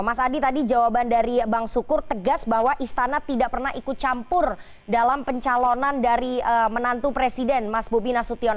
mas adi tadi jawaban dari bang sukur tegas bahwa istana tidak pernah ikut campur dalam pencalonan dari menantu presiden mas bobi nasution